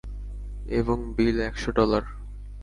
এবং বিল একশো ডলার।